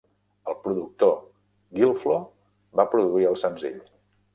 El productor Gilflo va produir el senzill.